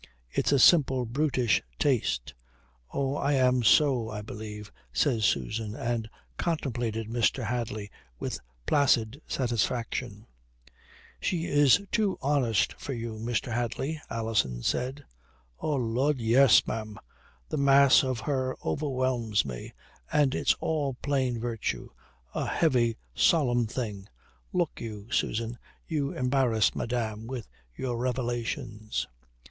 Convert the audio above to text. It's a simple, brutish taste." "Oh. I am so, I believe," says Susan, and contemplated Mr. Hadley with placid satisfaction. "She is too honest for you, Mr. Hadley," Alison said. "Oh Lud, yes, ma'am. The mass of her overwhelms me, and it's all plain virtue a heavy, solemn thing. Look you, Susan, you embarrass madame with your revelations."